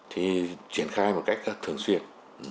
triển khai một cách thường xuyên